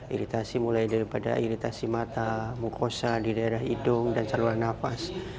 iritasi mulai daripada iritasi mata mukosa di daerah hidung dan saluran nafas